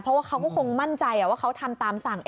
เพราะว่าเขาก็คงมั่นใจว่าเขาทำตามสั่ง